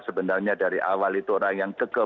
sebenarnya dari awal itu orang yang tegal